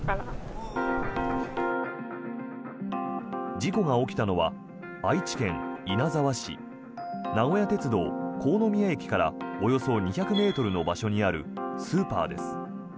事故が起きたのは愛知県稲沢市名古屋鉄道国府宮駅からおよそ２００ｍの場所にあるスーパーです。